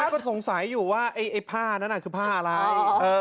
ก็สงสัยอยู่ว่าไอ้ผ้านั้นคือผ้าอะไร